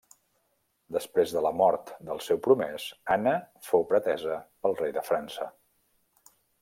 Després de la mort del seu promès, Anna fou pretesa pel rei de França.